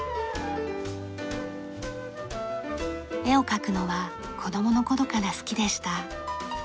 絵を描くのは子供の頃から好きでした。